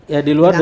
ya di luar dengan